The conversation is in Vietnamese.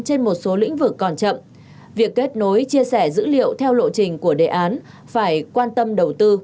trên một số lĩnh vực còn chậm việc kết nối chia sẻ dữ liệu theo lộ trình của đề án phải quan tâm đầu tư